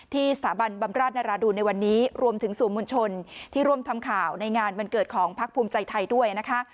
สถาบันบำราชนราดูนในวันนี้รวมถึงสู่มวลชนที่ร่วมทำข่าวในงานวันเกิดของพักภูมิใจไทยด้วยนะคะ